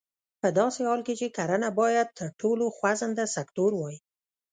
په داسې حال کې چې کرنه باید تر ټولو خوځنده سکتور وای.